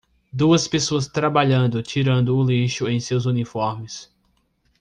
Duas pessoas trabalhando tirando o lixo em seus uniformes.